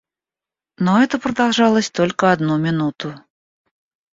Но это продолжалось только одну минуту.